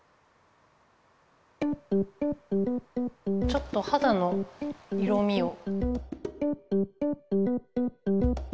ちょっとはだの色みを。